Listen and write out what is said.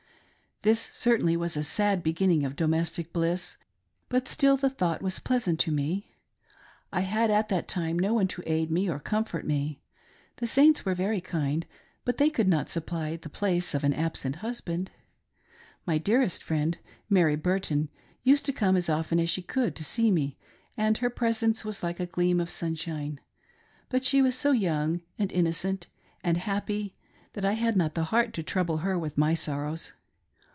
Thi s certainly was a sad beginning of domestic bliss, but still the thought was pleasant to me. I had at that time no one to aid me or comfort me. The Saints were very kind, but they could not supply the place of an absent husband. My dearest friend, Mary Burtan, used to come as often as she could to see me, and her presence was like a gleam of sunshine ; but she was so young, and innocent, and happy that I had not the heart to trouble her with my sorrows.